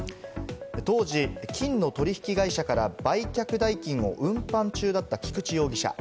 当時、金の取引会社から売却代金を運搬中だった菊地容疑者。